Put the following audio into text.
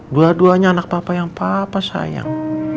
dua duanya anak bapak yang bapak sayang